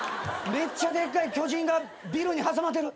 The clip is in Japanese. めっちゃでっかい巨人がビルに挟まってる。